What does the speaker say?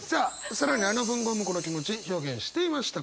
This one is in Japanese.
更にあの文豪もこの気持ち表現していました。